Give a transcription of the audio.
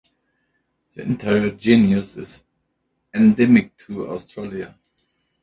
The entire genus is endemic to Australia.